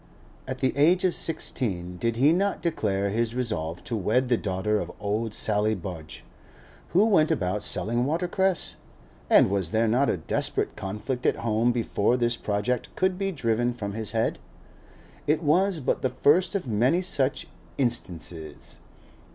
At the age of sixteen did he not declare his resolve to wed the daughter of old Sally Budge, who went about selling watercress? and was there not a desperate conflict at home before this project could be driven from his head? It was but the first of many such instances.